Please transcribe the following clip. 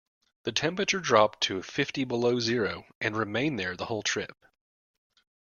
The temperature dropped to fifty below zero and remained there the whole trip.